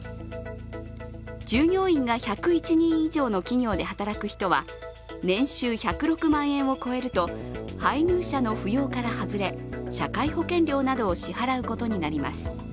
従業員が１０１人以上の企業で働く人は年収１０６万円を超えると、配偶者の扶養から外れ、社会保険料などを支払うことになります。